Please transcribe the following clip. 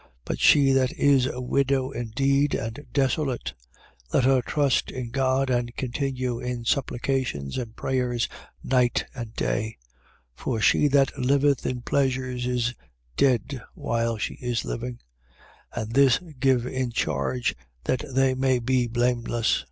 But she that is a widow indeed, and desolate, let her trust in God and continue in supplications and prayers night and day. 5:6. For she that liveth in pleasures is dead while she is living. 5:7. And this give in charge, that they may be blameless. 5:8.